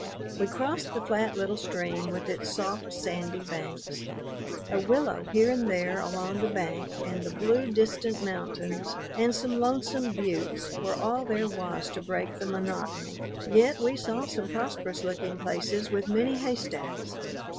We crossed the flat little stream with its soft sandy banks. A willow here and there along the bank and the blue, distant mountains and some lonesome buttes were all there was to break the monotony. Yet we saw some prosperous looking places with many haystacks.